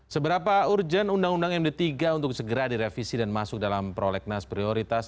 seberapa urgent undang undang md tiga untuk segera direvisi dan masuk dalam prolegnas prioritas